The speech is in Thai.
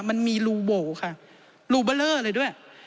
มันมีรูโบ่ค่ะรูเบลอเลยด้วย